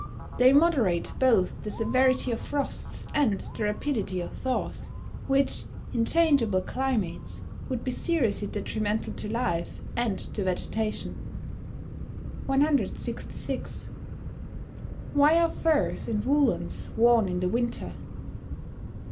_ They moderate both the severity of frosts, and the rapidity of thaws, which, in changeable climates, would be seriously detrimental to life, and to vegetation. 166. _Why are furs and woollens worn in the winter?